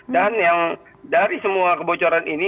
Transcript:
dan yang dari semua kebocoran ini